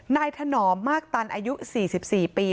นายถนอมมาคตันอายุสี่สิบสี่ปี